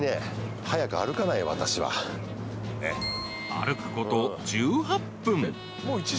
［歩くこと１８分］